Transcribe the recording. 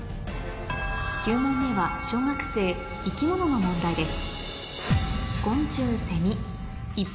９問目は小学生生き物の問題です